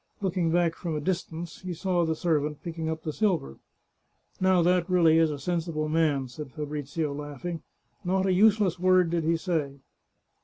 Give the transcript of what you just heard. Looking back from a dis tance, he saw the servant picking up the silver. " Now, that really is a sensible man," said Fabrizio, laughing ;" not a useless word did he say."